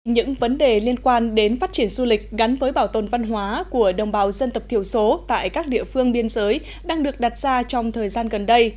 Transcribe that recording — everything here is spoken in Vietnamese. những vấn đề liên quan đến phát triển du lịch gắn với bảo tồn văn hóa của đồng bào dân tộc thiểu số tại các địa phương biên giới đang được đặt ra trong thời gian gần đây